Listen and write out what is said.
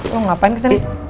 lo ngapain kesini